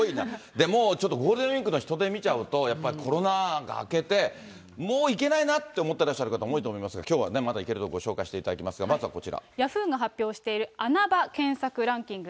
でももうちょっと、ゴールデンウィークの人出見ちゃうと、やっぱりコロナ明けて、もう行けないなと思ってらっしゃる方、多いと思いますが、きょうはね、まだ行ける所、ご紹介していただきますが、ヤフーが発表している穴場検索ランキング。